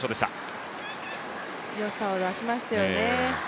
よさを出しましたよね。